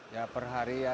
ya per hari ya